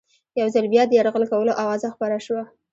یو ځل بیا د یرغل کولو آوازه خپره شوه.